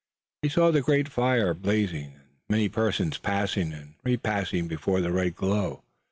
He saw the great fire blazing and many persons passing and repassing before the red glow.